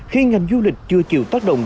khi ngành du lịch chưa chịu tác động